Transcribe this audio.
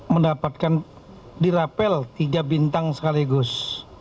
mendapatkan dirapel tiga bintang sekaligus